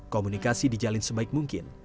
komunikasi dijalin sebaik mungkin